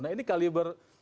nah ini kaliber